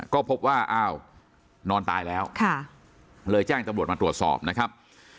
ก็พบว่าอ้าวนอนตายแล้วเลยแจ้งตำรวจมาตรวจสอบนะครับ